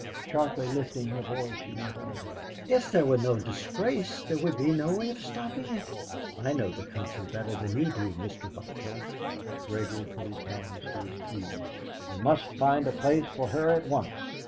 Sharply lifting her voice, she went on: "If there were no disgrace, there would be no way of stopping it. I know the country better than you do, Mr. Vigil." Gregory put his hands to his ears. "We must find a place for her at once."